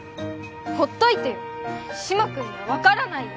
ほっといてよ島君には分からないよ